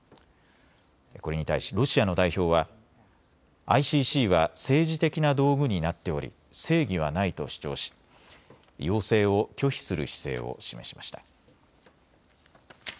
これに対しロシアの代表はＩＣＣは政治的な道具になっており正義はないと主張し要請を拒否する姿勢を示しました。